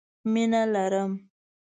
مينه لرم